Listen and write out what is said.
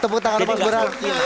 tepuk tangan pak jura